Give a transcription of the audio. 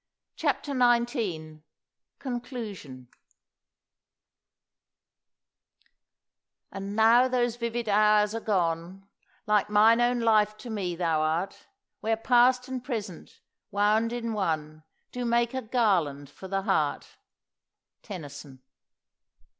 CHAPTER XIX CONCLUSION "And now those vivid hours are gone, Like mine own life to me thou art. Where past and present, wound in one, Do make a garland for the heart." TENNYSON.